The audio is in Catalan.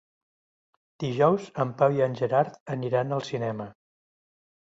Dijous en Pau i en Gerard aniran al cinema.